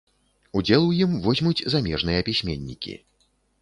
Удзел у ім возьмуць замежныя пісьменнікі.